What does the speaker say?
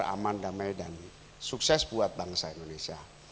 dan berjalan dengan aman damai dan sukses buat bangsa indonesia